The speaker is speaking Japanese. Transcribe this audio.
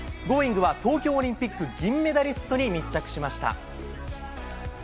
Ｇｏｉｎｇ！は東京オリンピック銀メダリストに密着しました。